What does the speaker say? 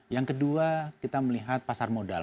yang kedua kita melihat pasar modal